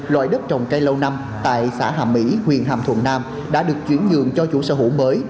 loại đất trồng cây lâu năm tại xã hàm mỹ huyện hàm thuận nam đã được chuyển giường cho chủ sở hữu mới